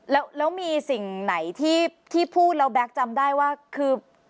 แล้วมีสิ่งไหนที่พูดแล้วแก๊กจำได้ว่าคือ